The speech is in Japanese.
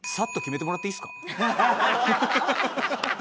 ハハハハ！